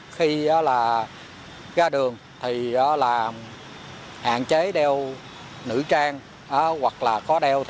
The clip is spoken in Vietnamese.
khi ra đường thì là hạn chế đeo nữ trang hoặc là có đeo